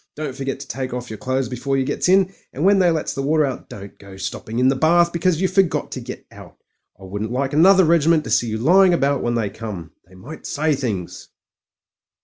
Don't forget to take off yer clothes before yer gets in ; and when they lets the water out, don't go stopping in the bath because you forgot to get out. I wouldn't like another regiment to see you lying about when they come. They might say things."